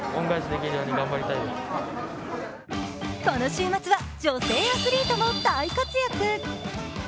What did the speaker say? この週末は女性アスリートも大活躍。